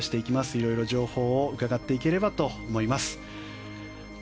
いろいろと情報を伺っていければと思います。